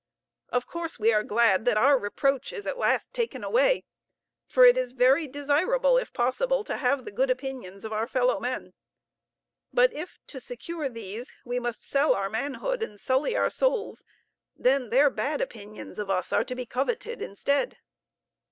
Of course, we are glad that our reproach is at last taken away; for it is very desirable, if possible, to have the good opinions of our fellow men; but if, to secure these, we must sell our manhood and sully our souls, then their bad opinions of us are to be coveted instead.